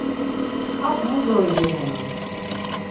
Hak mu zori giğunan?